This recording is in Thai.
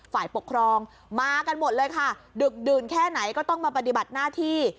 ฝ่ายปกครองมากันหมดเลยค่ะดึกดื่นแค่ไหนก็ต้องมาปฏิบัติหน้าที่